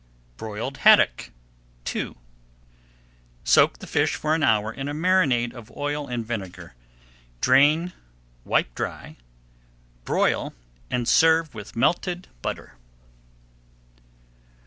BROILED HADDOCK II Soak the fish for an hour in a marinade of oil and vinegar. Drain, wipe dry, broil, and serve with melted butter.